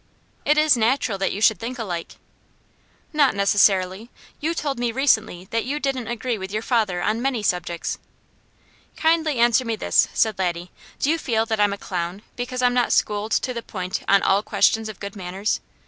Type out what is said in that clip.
"It is natural that you should think alike." "Not necessarily! You told me recently that you didn't agree with your father on many subjects." "Kindly answer me this," said Laddie: "Do you feel that I'm a 'clown' because I'm not schooled to the point on all questions of good manners?